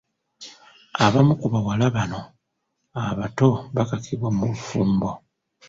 Abamu ku bawala bano abato bakakibwa mu bufumbo.